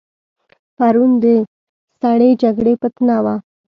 پرون د سړې جګړې فتنه وه.